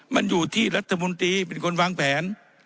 มันอยู่ที่รัฐมนตรีเป็นคนวางแผน